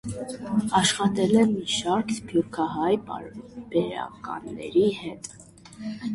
Աշխատել է մի շարք սփյուռքահայ պարբերականների հետ։